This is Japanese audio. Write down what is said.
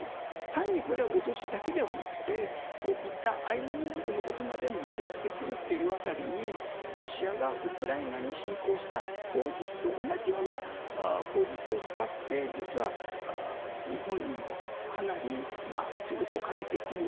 単にこれは脅しだけではなくてアイヌ民族のことまで持ち出してくるというあたりにロシアがウクライナに侵攻した口実と同じような口実を使って実は日本にも、かなり圧力をかけてくる。